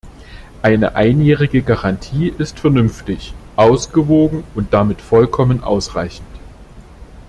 Eine einjährige Garantie ist vernünftig, ausgewogen und damit vollkommen ausreichend.